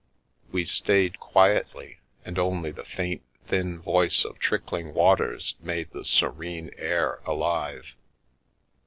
We stayed quietly, and only the faint, thin voice of trickling waters made the serene air alive.